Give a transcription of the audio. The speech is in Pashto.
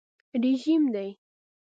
رژیم دی.